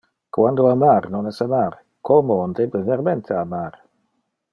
Quando amar non es amar, como on debe vermente amar?